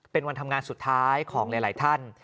เป็นวันทำงานสุดท้ายของหลายท่าน